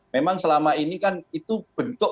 memang selama ini kan itu bentuk